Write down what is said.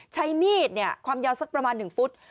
ใช้มีดความยาวสักประมาณ๑ฟุต